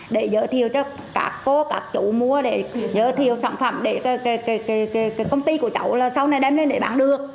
để giới thiệu cho các cô các chủ mua để giới thiệu sản phẩm để công ty của cháu là sau này đem lên để bán được